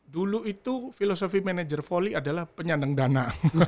dulu itu filosofi manajer volley adalah penyandang dana